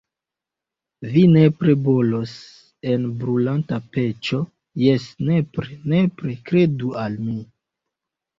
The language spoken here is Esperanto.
Vi nepre bolos en brulanta peĉo, jes, nepre, nepre, kredu al mi!